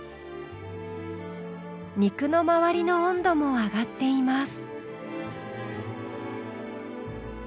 肉の周りの温度も上がっています。